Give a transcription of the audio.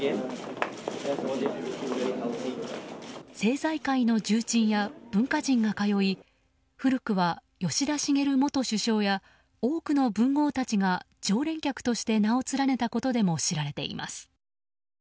政財界の重鎮や文化人が通い古くは吉田茂元首相や多くの文豪たちが常連客として名を連ねたことでも知られています。